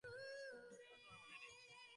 কেন তোমার মনে নেই?